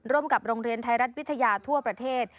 โรงเรียนไทยรัฐวิทยาทั่วประเทศ